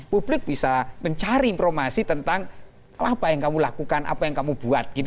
publik bisa mencari informasi tentang apa yang kamu lakukan apa yang kamu buat